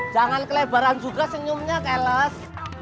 jangan kelebaran juga senyumnya cales